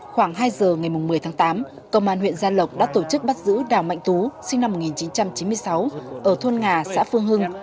khoảng hai giờ ngày một mươi tháng tám công an huyện gia lộc đã tổ chức bắt giữ đào mạnh tú sinh năm một nghìn chín trăm chín mươi sáu ở thôn ngà xã phương hưng